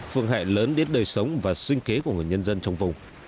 phương hại lớn đến đời sống và sinh kế của người dân dân trong vùng